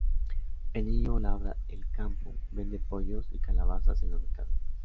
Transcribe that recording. El niño labra el campo, vende pollos y calabazas en los mercados.